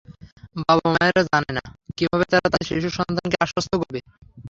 বাবা মায়েরা জানে না কীভাবে তারা তাদের শিশু সন্তানকে আশ্বস্ত করবে।